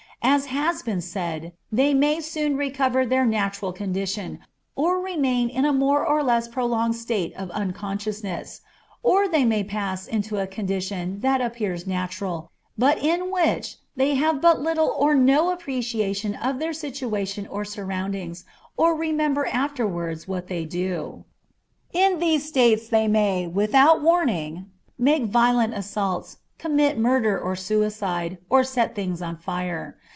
As has been said, they may soon recover their natural condition, or remain in a more or less prolonged state of unconsciousness, or they may pass into a condition that appears natural, but in which they have but little or no appreciation of their situation or surroundings, or remember afterwards what they do. In these states they may, without warning, make violent assaults, commit murder or suicide, or set things on fire.